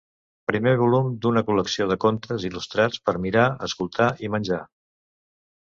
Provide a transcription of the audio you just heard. Primer volum d’una col·lecció de contes il·lustrats, per mirar, escoltar i menjar!